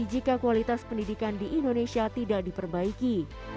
jika kualitas pendidikan di indonesia tidak diperbaiki